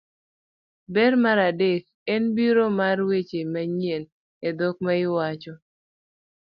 Ber mar adek en biro mar weche manyien e dhok ma iwacho,